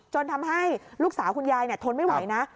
ทำให้ลูกสาวคุณยายทนไม่ไหวนะ